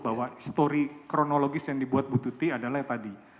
bahwa kronologis yang dibuat ibu tuti adalah yang tadi